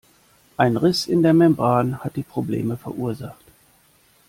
Ein Riss in der Membran hat die Probleme verursacht.